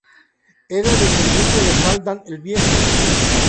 Era descendiente de Halfdan el Viejo.